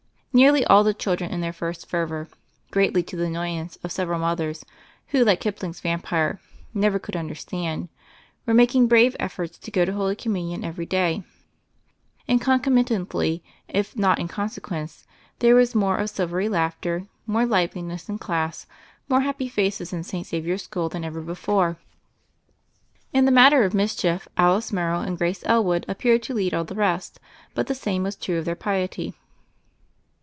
Nearly all the children in their first fervor — greatly to the annoyance of several mothers, who, like Kipling's Vampire, "never could un derstand" — ^were making brave efforts to go to Holy Communion every day ; and concomitantly, if not in consequence, there was more of silvery laughter, more liveliness in class, more happy faces in St. Xavier School than ever before. In the matter of mischief Alice Morrow and Grace Elwood appeared to lead all the rest; but the same was true of their piety.